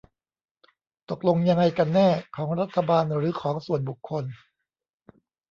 ตกลงยังไงกันแน่ ของรัฐบาล หรือของส่วนบุคคล ?